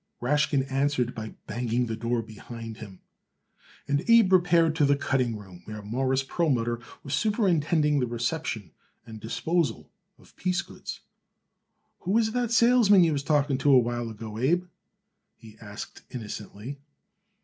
Rashkin answered by banging the door behind him and Abe repaired to the cutting room, where Morris Perlmutter was superintending the reception and disposal of piece goods. "Who was that salesman you was talking to a while ago, Abe?" he asked innocently.